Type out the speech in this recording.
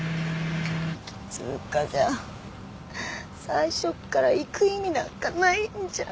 つうかじゃあ最初っから行く意味なんかないんじゃんか。